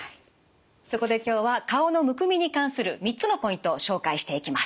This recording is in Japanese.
そこで今日は顔のむくみに関する３つのポイントを紹介していきます。